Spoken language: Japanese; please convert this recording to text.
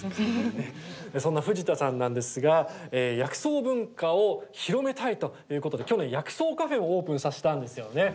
そんな藤田さんなんですが薬草文化を広めたいと去年、薬草カフェもオープンさせたんですよね。